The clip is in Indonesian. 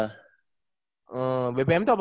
hmm bbm tuh apa